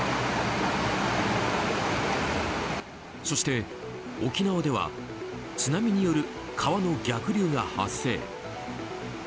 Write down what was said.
そして、沖縄では津波による川の逆流が発生。